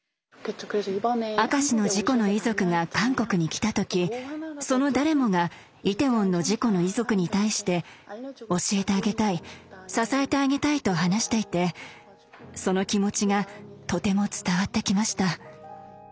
明石の事故の遺族が韓国に来た時その誰もがイテウォンの事故の遺族に対して教えてあげたい支えてあげたいと話していてその気持ちがとても伝わってきました。